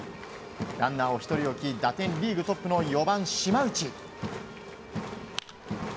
ランナーを１人置き打点リーグトップの４番、島内。